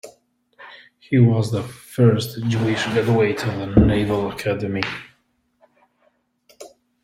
He was the first Jewish graduate of the Naval Academy.